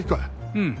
うん。